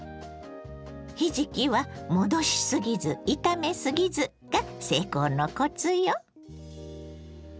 ひじきは戻しすぎず炒めすぎずが成功のコツよ！